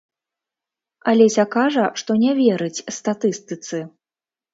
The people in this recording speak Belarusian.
Алеся кажа, што не верыць статыстыцы.